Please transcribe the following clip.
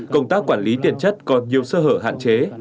công tác quản lý tiền chất còn nhiều sơ hở hạn chế